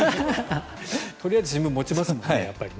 とりあえず新聞持ちますよね。